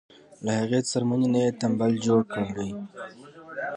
له هغې څرمنې نه یې تمبل جوړ کړی.